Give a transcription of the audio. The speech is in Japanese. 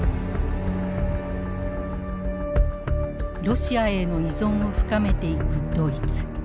ロシアへの依存を深めていくドイツ。